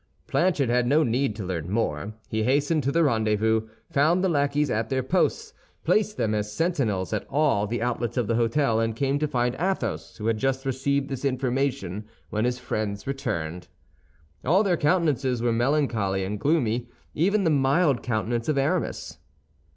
Planchet had no need to learn more. He hastened to the rendezvous, found the lackeys at their posts, placed them as sentinels at all the outlets of the hôtel, and came to find Athos, who had just received this information when his friends returned. All their countenances were melancholy and gloomy, even the mild countenance of Aramis.